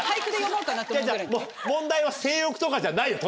問題は性欲とかじゃないよ